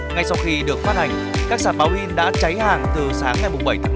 ngay sau khi được phát hành các sản báo in đã cháy hàng từ sáng ngày bảy tháng năm